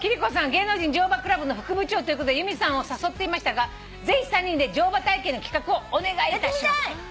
芸能人乗馬クラブの副部長ということで由美さんを誘っていましたがぜひ３人で乗馬体験の企画をお願いいたします」